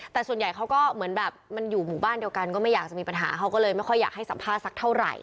แต่ส่วนใหญ่เขาก็เหมือนแบบมันอยู่หมู่บ้านเดียวกันก็ไม่อยากจะมีปัญหาเขาก็เลยไม่ค่อยอยากให้สัมภาษณ์สักเท่าไหร่